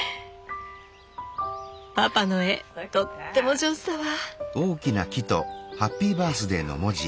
パパの絵とっても上手だわ。